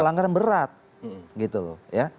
pelanggaran berat gitu loh ya